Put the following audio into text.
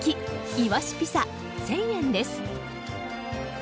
いわしピザ、１０００円です。